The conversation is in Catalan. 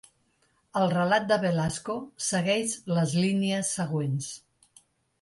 El relat de Velasco segueix les línies següents.